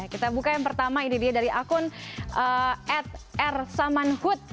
kita buka yang pertama ini dia dari akun ad r samanhut